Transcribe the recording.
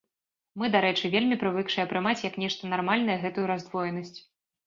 Мы, дарэчы, вельмі прывыкшыя прымаць як нешта нармальнае гэтую раздвоенасць.